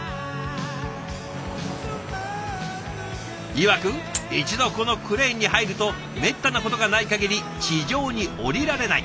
いわく一度このクレーンに入るとめったなことがないかぎり地上に降りられない。